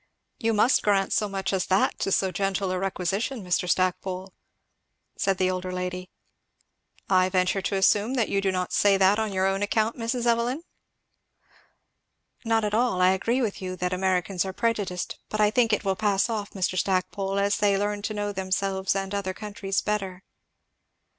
"You must grant so much as that to so gentle a requisition, Mr. Stackpole," said the older lady. "I venture to assume that you do not say that on your own account, Mrs. Evelyn?" "Not at all I agree with you, that Americans are prejudiced; but I think it will pass off, Mr. Stackpole, as they learn to know themselves and other countries better."